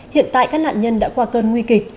hiện tại các nạn nhân đã qua cơn nguy kịch